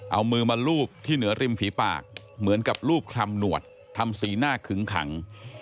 เอามือมาลูบที่เหนือริมฝีปากเหมือนกับรูปคลำหนวดทำสีหน้าขึงขัง